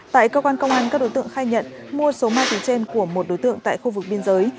tại cơ quan công an các đối tượng khai nhận mua số ma túy trên của một đối tượng tại khu vực biên giới